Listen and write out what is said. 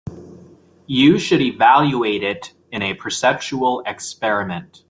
You should evaluate it in a perceptual experiment.